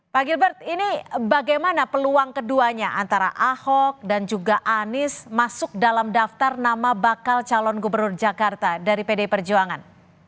pak gilbert ini bagaimana peluang keduanya antara ahok dan juga anies masuk dalam daftar nama bakal calon gubernur jakarta dari pdi perjuangan